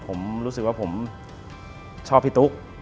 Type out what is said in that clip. ผมรู้สึกว่าผมชอบพี่ตุ๊ก